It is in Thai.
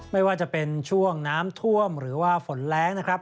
ไม่ว่าจะเป็นช่วงน้ำท่วมหรือว่าฝนแรงนะครับ